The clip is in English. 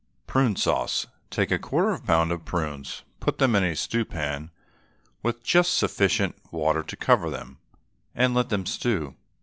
PRUNE SAUCE. Take a quarter of a pound of prunes, put them in a stew pan with just sufficient water to cover them, and let them stew.